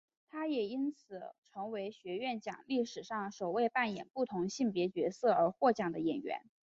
她也因此成为学院奖历史上首位扮演不同性别角色而获奖的演员。